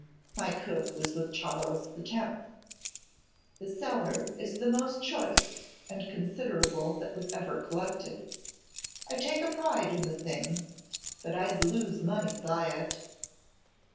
My cook was with Charles X.; the cellar is the most choice and considerable that was ever collected. I take a pride in the thing, but I lose money by it.